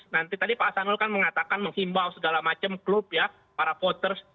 nanti tadi pak hasanul kan mengatakan menghimbau segala macam klub ya para voters